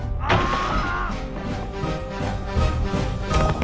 あっ！